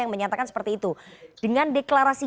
yang menyatakan seperti itu dengan deklarasi